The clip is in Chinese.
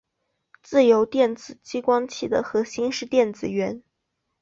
自由电子激光器的核心是电子源。